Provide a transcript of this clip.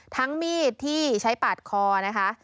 มีดที่ใช้ปาดคอนะคะ